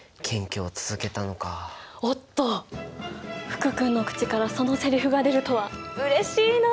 おっと福君の口からそのセリフが出るとはうれしいな！